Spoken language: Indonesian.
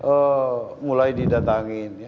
kami mulai didatangin